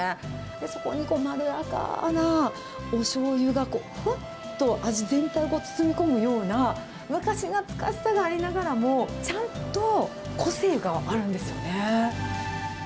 そこにまろやかなおしょうゆがこう、ふわっと味全体を包み込むような、昔懐かしさがありながらも、ちゃんと個性があるんですよね。